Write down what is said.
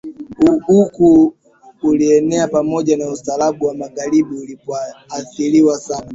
huko ulienea pamoja na ustaarabu wa magharibi ulioathiriwa sana